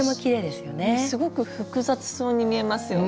すごく複雑そうに見えますよね。